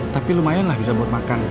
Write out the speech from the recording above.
tapi lumayan lah bisa buat makan